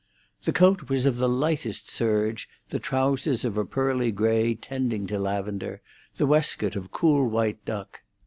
The coat was of the lightest serge, the trousers of a pearly grey tending to lavender, the waistcoat of cool white duck.